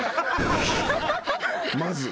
まず。